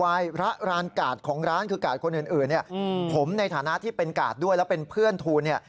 โดยระดับร้านกาดของร้านคือกาดคนอื่นผมในฐานะที่เป็นกาดด้วยและเป็นเพื่อนภัยทูล